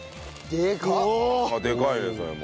でかいねそれも。